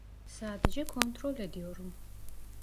Sadece kontrol ediyorum.